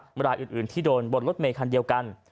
เวลาอื่นที่โดนบนรถเมย์คันเดียวกัน